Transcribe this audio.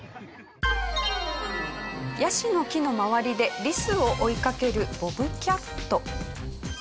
ヤシの木の周りでリスを追いかけるボブキャット。